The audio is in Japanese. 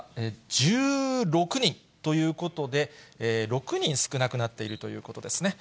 １６人ということで、６人少なくなっているということですね。